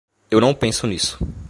Eu não penso nisso!